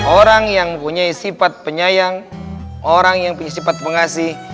orang yang punya sifat penyayang orang yang punya sifat mengasih